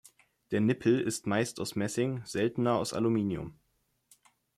Der Nippel ist meist aus Messing, seltener aus Aluminium.